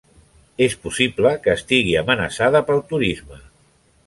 És possible que estigui amenaçada pel turisme.